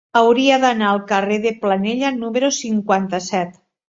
Hauria d'anar al carrer de Planella número cinquanta-set.